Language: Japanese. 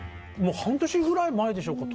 半年ぐらい前でしょうか。